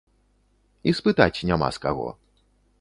І спытаць няма з каго.